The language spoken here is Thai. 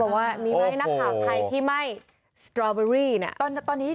เขาบอกว่ามีไหมนักข่าวไทยที่ไม่สตรอเบอร์รี่เนี่ย